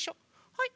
はい。